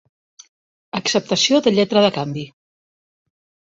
Acceptació de lletra de canvi.